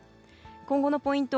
今後のポイント